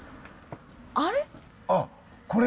あれ？